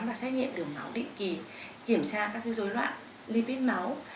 và xét nghiệm đường máu định kỳ kiểm soát các dối loạn lý viết máu